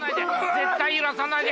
絶対揺らさないで！